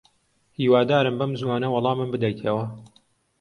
هیوادارم بەم زووانە وەڵامم بدەیتەوە.